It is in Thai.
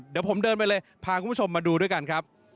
เดี๋ยวผมเดินไปเลยพาคุณผู้ชมมาดูด้วยกันครับ